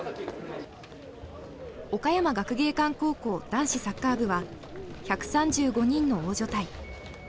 岡山学芸館高校男子サッカー部は１３５人の大所帯。